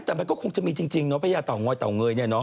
แต่มันก็คงจะมีจริงเนอะพระยาต่อง้อยต่อเงยเนี่ยเนอะ